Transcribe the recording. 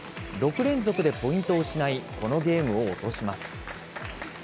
６連続でポイントを失い、このゲームを落とします。